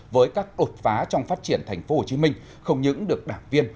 với các đột phá trong phát triển tp hcm không những được đảng viên